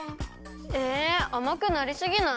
えあまくなりすぎない？